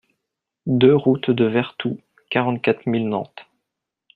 deux route de Vertou, quarante-quatre mille Nantes